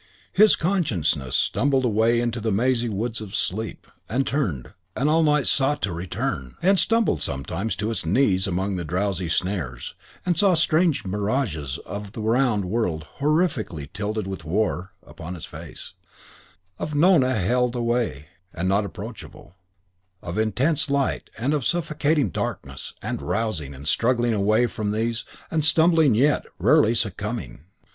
His consciousness stumbled away into the mazy woods of sleep, and turned, and all night sought to return, and stumbled sometimes to its knees among the drowsy snares, and saw strange mirages of the round world horrifically tilted with "War" upon its face, of Nona held away and not approachable, of intense light and of suffocating darkness; and rousing and struggling away from these, and stumbling yet, rarely succumbing.